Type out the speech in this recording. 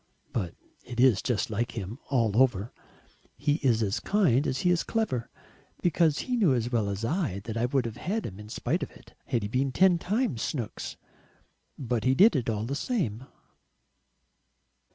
But it is just like him all over; he is as kind as he is clever. Because he knew as well as I did that I would have had him in spite of it, had he been ten times Snooks. But he did it all the same."